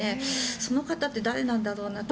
その方って誰なんだろうなと。